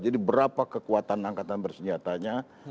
jadi berapa kekuatan angkatan bersenjatanya